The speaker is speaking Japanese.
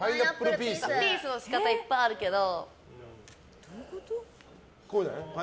ピースの仕方、いっぱいあるけど。